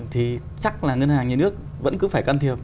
thì chắc là ngân hàng nhà nước vẫn cứ phải can thiệp